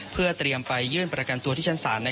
เพื่อเตรียมไปยื่นพรรดาที่ที่ชั้นสาร